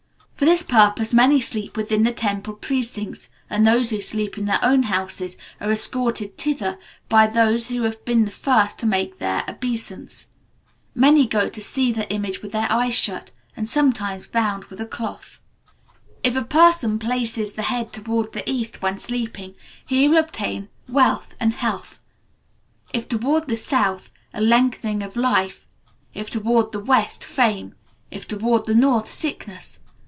For this purpose, many sleep within the temple precincts, and those who sleep in their own houses are escorted thither by those who have been the first to make their obeisance. Many go to see the image with their eyes shut, and sometimes bound with a cloth. If a person places the head towards the east when sleeping, he will obtain wealth and health; if towards the south, a lengthening of life; if towards the west, fame; if towards the north, sickness.